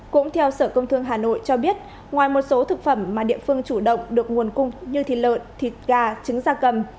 cũng theo sở công thương hà nội cho biết ngoài một số thực phẩm mà địa phương chủ động được nguồn cung như thịt lợn thịt gà trứng da cầm